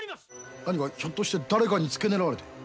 ひょっとして誰かに付け狙われてる。